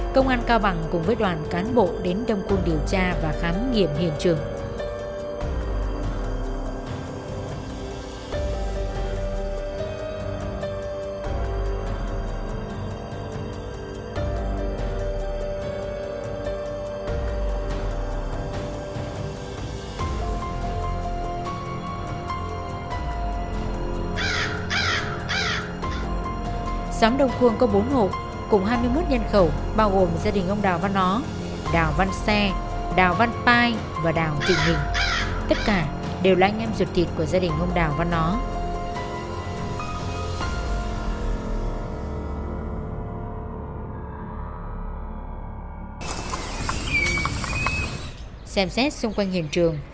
công an cao bằng cùng với đoàn cán bộ đến đông cung điều tra và khám nghiệm hiện trường